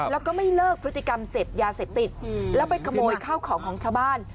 แล้วก็ไม่เลิกพฤติกรรมเสพยาเสพติดแล้วไปขโมยข้าวของของชาวบ้าน